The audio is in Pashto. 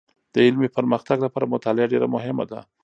د علمي پرمختګ لپاره مطالعه ډېر مهمه ده.